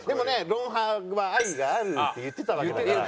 「『ロンハー』は愛がある」って言ってたわけだから。